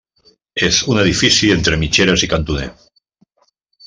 És un edifici entre mitgeres i cantoner.